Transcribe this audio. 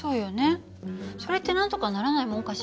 それってなんとかならないもんかしらね。